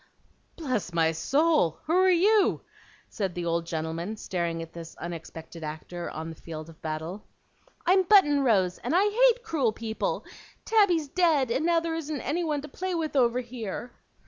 "Bless my soul! who are you?" said the old gentleman, staring at this unexpected actor on the field of battle. "I'm Button Rose, and I hate cruel people! Tabby's dead, and now there isn't any one to play with over here."